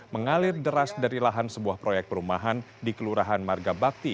mengalir deras dari lahan sebuah proyek perumahan di kelurahan margabakti